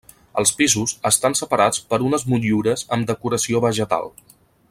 Els pisos estan separats per unes motllures amb decoració vegetal.